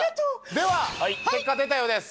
では結果出たようです。